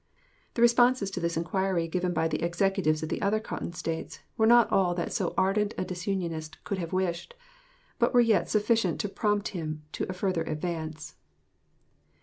The responses to this inquiry given by the Executives of the other Cotton States were not all that so ardent a disunionist could have wished, but were yet sufficient to prompt him to a further advance.